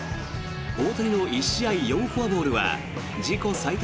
大谷の１試合４フォアボールは自己最多